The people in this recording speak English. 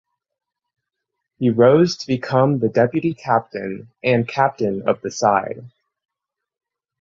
He rose to become the deputy captain and captain of the side.